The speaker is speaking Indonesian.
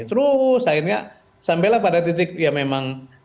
terus akhirnya sampailah pada titik ya memang